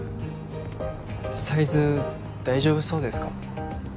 サイズ大丈夫そうですか？